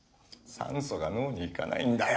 酸素が脳に行かないんだよ！